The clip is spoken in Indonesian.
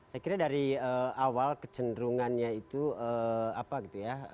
saya kira dari awal kecenderungannya itu apa gitu ya